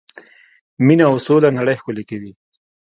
مینه او سوله نړۍ ښکلې کوي.